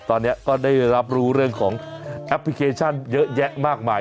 ตอนนี้ก็ได้รับรู้เรื่องของแอปพลิเคชันเยอะแยะมากมาย